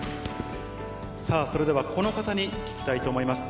さあ、それではこの方に聞きたいと思います。